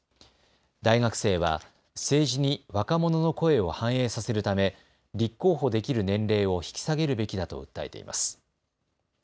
大学生は政治に若者の声を反映させるため立候補できる年齢を引き下げるべきだと訴えています。